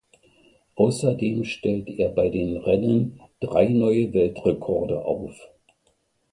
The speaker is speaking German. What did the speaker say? Außerdem stellte er bei den Rennen drei neue Weltrekorde auf.